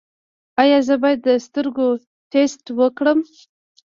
ایا زه باید د سترګو ټسټ وکړم؟